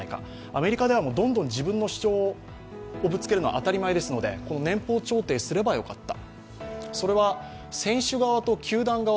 アメリカではどんどん自分の主張を出すのは当たり前ですので、年俸調停すればよかった。